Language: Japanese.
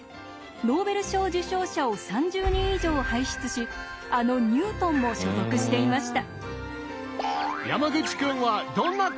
ノーベル賞受賞者を３０人以上輩出しあのニュートンも所属していました。